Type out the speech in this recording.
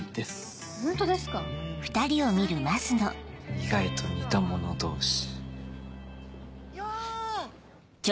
意外と似た者同士。